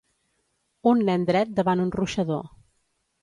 Un nen dret davant un ruixador.